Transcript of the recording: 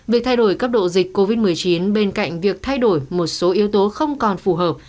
việc thay đổi cấp độ dịch covid một mươi chín bên cạnh việc thay đổi một số yếu tố không còn phù hợp